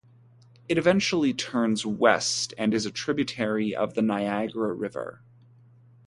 It eventually turns west and is a tributary of the Niagara River.